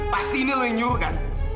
pasti ini lo yang nyuruhkan